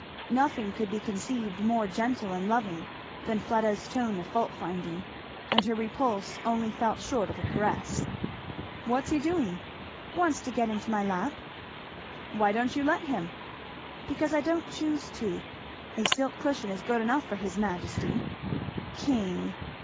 Nothing could be conceived more gentle and loving than Fleda's tone of fault finding, and her repulse only fell short of a caress. "What's he doing?" "Wants to get into my lap." "Why don't you let him?" "Because I don't choose to a silk cushion is good enough for his majesty. King!